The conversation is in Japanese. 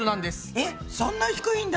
えっそんな低いんだ！